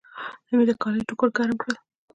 نن مې د کالي ټوکر ګرم کړل.